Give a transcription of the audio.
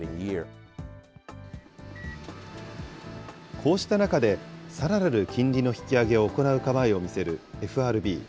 こうした中で、さらなる金利の引き上げを行う構えを見せるＦＲＢ。